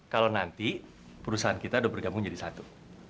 kalau nanti perusahaan kita sudah bergabung jadi satu